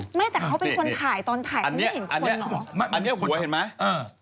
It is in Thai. ไม่แต่เขาเป็นคนถ่ายตอนถ่ายเขาไม่เห็นคนเหรอ